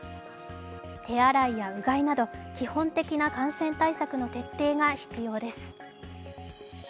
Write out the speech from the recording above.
手洗いやうがいなど基本的な感染対策の徹底が必要です。